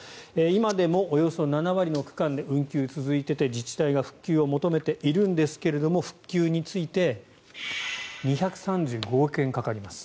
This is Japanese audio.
今でもおよそ７割の区間で運休が続いていて自治体が復旧を求めているんですが復旧について２３５億円かかります。